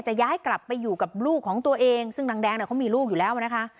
ย้ายกลับไปอยู่กับลูกของตัวเองซึ่งนางแดงเนี่ยเขามีลูกอยู่แล้วนะคะ